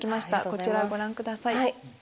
こちらをご覧ください。